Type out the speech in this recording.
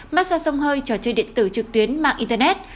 massag sông hơi trò chơi điện tử trực tuyến mạng internet